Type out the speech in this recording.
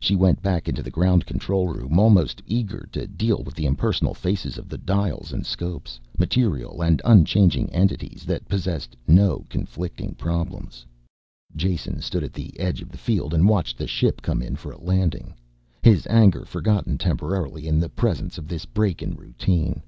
She went back into the ground control room, almost eager to deal with the impersonal faces of the dials and scopes, material and unchanging entities that posed no conflicting problems. Jason stood at the edge of the field and watched the ship come in for a landing, his anger forgotten temporarily in the presence of this break in routine.